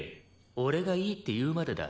俺がいいって言うまでだ。